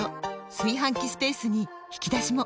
炊飯器スペースに引き出しも！